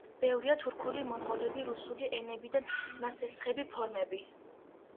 ბევრია თურქული, მონღოლური, რუსული ენებიდან ნასესხები ფორმები.